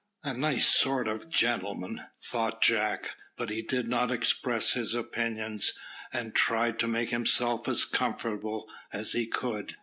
"A nice sort of gentleman," thought Jack, but he did not express his opinions, and tried to make himself as comfortable as he could.